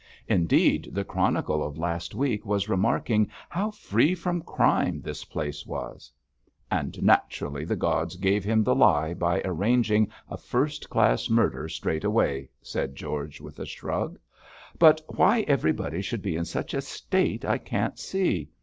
Indeed, the Chronicle of last week was remarking how free from crime this place was.' 'And naturally the gods gave them the lie by arranging a first class murder straight away,' said George, with a shrug. 'But why everybody should be in such a state I can't see.